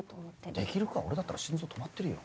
できるか俺だったら心臓止まってるよ。